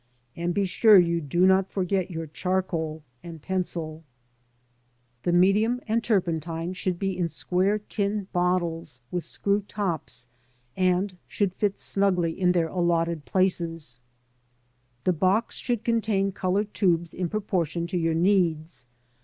And be sure you do not forget your charcoal and pencil. 10 LANDSCAPE PAINTING IN OIL COLOUR. The medium and turpentine should be in square tin bottles with screw tops, and should fit snugly in their allotted places The box should contain colour tubes in proportion to your needs.